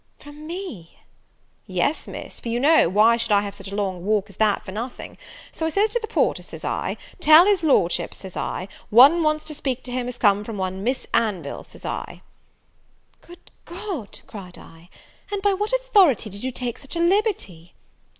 "From me!" "Yes, Miss, for you know, why should I have such a long walk as that for nothing? So I says to the porter, says I, tell his Lordship, says I, one wants to speak to him as comes from one Miss Anville, says I." "Good God," cried I, "and by what authority did you take such a liberty?"